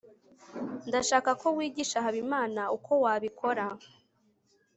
ndashaka ko wigisha habimana uko wabikora